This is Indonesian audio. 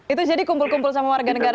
itu jadi kumpul kumpul sama warga negara